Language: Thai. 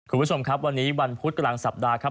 คุณผู้ชมครับวันนี้วันพุธกลางสัปดาห์ครับ